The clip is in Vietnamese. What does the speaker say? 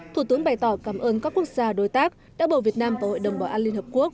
thủ tướng bày tỏ cảm ơn các quốc gia đối tác đã bầu việt nam vào hội đồng bảo an liên hợp quốc